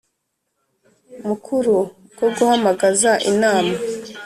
Mukuru bwo guhamagaza inama